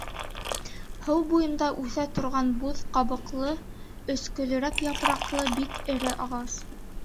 Һыу буйында үҫә торған буҙ ҡабыҡлы, өскөлөрәк япраҡлы бик эре ағас.